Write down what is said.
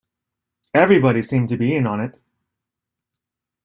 Everybody seemed to be in it!